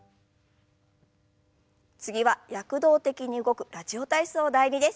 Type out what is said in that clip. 次は躍動的に動く「ラジオ体操第２」です。